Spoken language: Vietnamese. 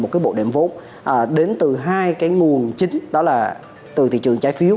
một cái bộ đệm vốn đến từ hai cái nguồn chính đó là từ thị trường trái phiếu